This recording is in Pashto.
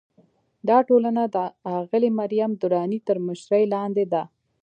دا ټولنه د اغلې مریم درانۍ تر مشرۍ لاندې ده.